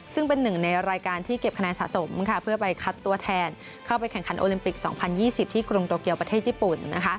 ซึ่งเป็นหนึ่งในรายการที่เก็บคะแนนสะสมเพื่อไปคัดตัวแทนเข้าไปแข่งขันโอลิมปิก๒๐๒๐ที่กรุงโตเกียวประเทศญี่ปุ่น